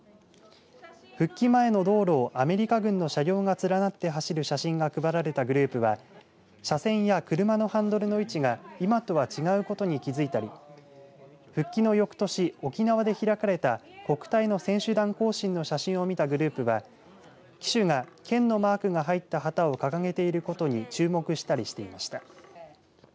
復帰前の道路をアメリカ軍の車両が連なって走る写真が配られたグループは車線や車のハンドルの位置が今とは違うことに気付いたり復帰のよくとし、沖縄で開かれた国体の選手団行進の写真を見たグループは旗手が県のマークが入った旗を掲げていることに注目したりしていました。